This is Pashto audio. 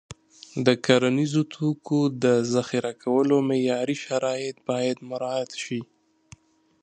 د کرنیزو توکو د ذخیره کولو معیاري شرایط باید مراعت شي.